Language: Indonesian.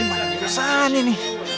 gimana perasaannya ini